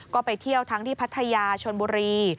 ก็ไปเที่ยวทั้งที่พัทยาชนบุรี